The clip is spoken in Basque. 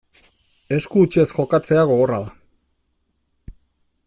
Esku hutsez jokatzea gogorra da.